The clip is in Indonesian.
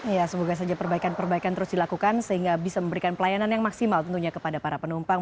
ya semoga saja perbaikan perbaikan terus dilakukan sehingga bisa memberikan pelayanan yang maksimal tentunya kepada para penumpang